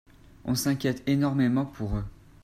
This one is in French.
On s’inquiète énormément pour eux.